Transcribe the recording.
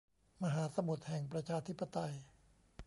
มหาสมุทรแห่งประชาธิปไตย